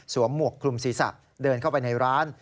หมวกคลุมศีรษะเดินเข้าไปในร้าน